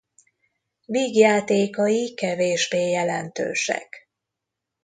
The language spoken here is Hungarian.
Vígjátékai kevésbé jelentősek.